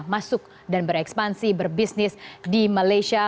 masuk dan berekspansi berbisnis di malaysia